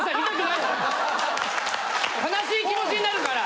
悲しい気持ちになるから。